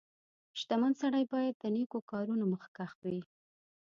• شتمن سړی باید د نیکو کارونو مخکښ وي.